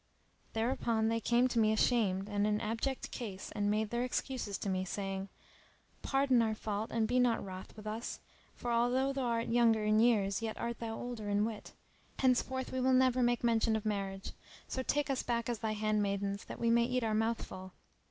Thereupon they came to me ashamed and in abject case and made their excuses to me, saying, Pardon our fault and be not wroth with us;[FN#305] for although thou art younger in years yet art thou older in wit; henceforth we will never make mention of marriage; so take us back as thy hand maidens that we may eat our mouthful."